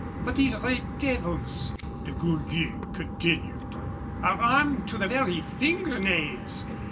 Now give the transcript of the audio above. "But these red devils," De Gourgues continued, "are armed to the very finger nails.